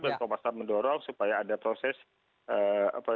dan komnas ham mendorong supaya ada proses peradilan umum